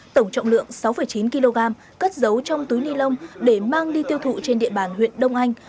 tổng trọng lượng sáu chín kg cất dấu trong túi ni lông để mang đi tiêu thụ trên địa bàn huyện đông anh